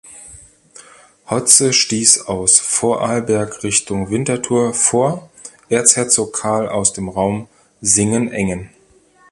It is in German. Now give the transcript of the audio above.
Hotze stiess aus Vorarlberg Richtung Winterthur vor, Erzherzog Karl aus dem Raum Singen-Engen.